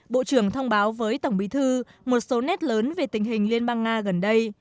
bộ trưởng thông báo với tổng bí thư một số nét lớn về tình hình liên bang nga gần đây